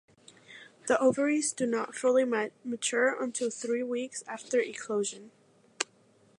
The ovaries do not fully mature until three weeks after eclosion.